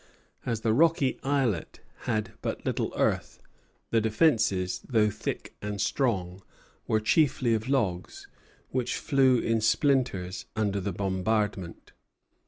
As the rocky islet had but little earth, the defences, though thick and strong, were chiefly of logs, which flew in splinters under the bombardment.